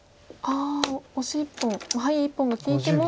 オシ１本ハイ１本が利いても。